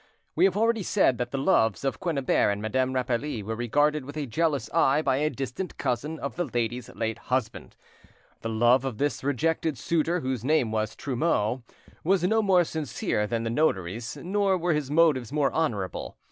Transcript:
We have already said that the loves of Quennebert and Madame Rapally were regarded with a jealous eye by a distant cousin of the lady's late husband. The love of this rejected suitor, whose name was Trumeau, was no more sincere than the notary's, nor were his motives more honourable.